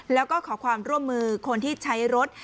แล้วก็ขอความร่วมมือคนที่ใช้รถ